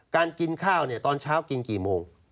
การกินข้าวเนี่ยตอนเช้ากินกี่โมง